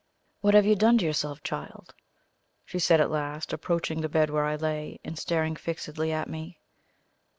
"What have you done to yourself, child?" she said at last, approaching the bed where I lay, and staring fixedly at me.